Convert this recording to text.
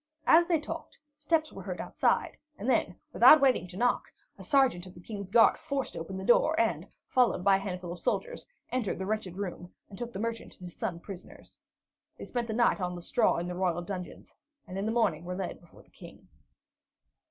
As they talked, steps were heard outside; and then, without waiting to knock, a sergeant of the King's guard forced open the door, and, followed by a handful of soldiers, entered the wretched room and took the merchant and his son prisoners. They spent the night on the straw in the royal dungeons, and in the morning were led before the King.